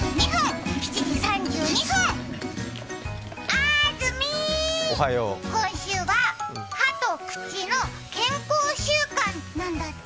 あーずみ、今週は歯と口の健康週間なんだって。